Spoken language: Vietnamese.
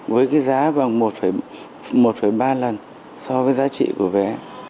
với cái giá vòng một ba lần so với giá trị của vé